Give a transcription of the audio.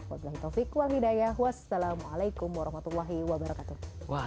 wa'alaikumsalam warahmatullahi wabarakatuh